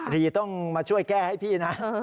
รีต้องมาช่วยแก้ให้พี่นะ